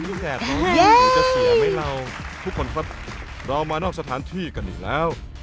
เย้ทุกคนครับเรามานอกสถานที่กันอีกแล้ว